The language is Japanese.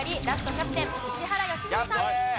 キャプテン石原良純さん。